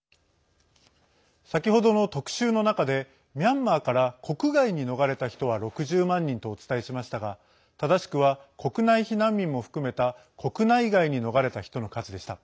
先ほどの特集の中でミャンマーから国外に逃れた人は６０万人とお伝えしましたが正しくは、国内避難民も含めた国内外に逃れた人の数でした。